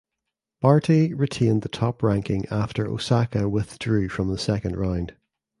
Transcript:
Barty retained the top ranking after Osaka withdrew from the second round.